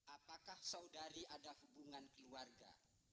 apakah saudari ada hubungan keluarga